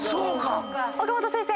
岡本先生。